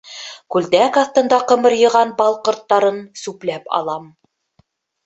Күлдәк аҫтында ҡымырйыған бал ҡорттарын сүпләп алам.